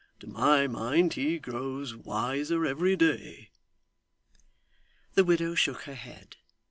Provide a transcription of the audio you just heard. To my mind he grows wiser every day.' The widow shook her head.